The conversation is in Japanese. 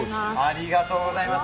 ありがとうございます。